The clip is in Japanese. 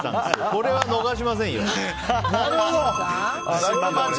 これは逃しませんよ。